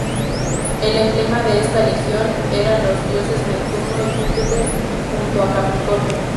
El emblema de esta legión eran los dioses Neptuno y Júpiter junto a Capricornio.